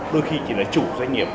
đôi khi chỉ là chủ doanh nghiệp